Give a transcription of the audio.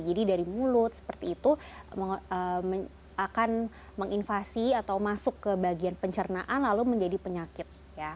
jadi dari mulut seperti itu akan menginvasi atau masuk ke bagian pencernaan lalu menjadi penyakit